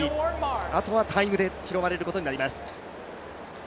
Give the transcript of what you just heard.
あとはタイムで拾われることになります。